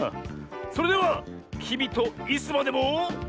それでは「きみとイスまでも」。